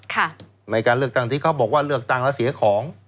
ในการเลือกตั้งที่เขาบอกว่าเลือกตั้งแล้วเสียของ